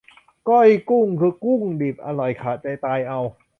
ก้อยกุ้ง คือกุ้งดิบ อร่อยขาดใจตายเอา